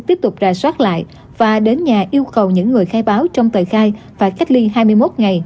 tiếp tục ra soát lại và đến nhà yêu cầu những người khai báo trong thời khai phải cách ly hai mươi một ngày